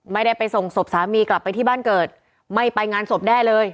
ไม่ได้ไปส่งศพสามีกลับไปที่บ้านเกิดไม่ไปงานศพแด้เลย